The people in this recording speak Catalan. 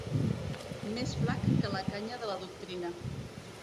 Més flac que la canya de la doctrina.